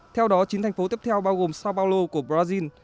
theo đó chín thành phố tiếp theo bao gồm sao paulo của brazil